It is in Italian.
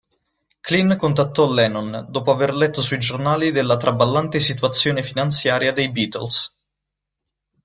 Klein contattò Lennon dopo aver letto sui giornali della traballante situazione finanziaria dei Beatles.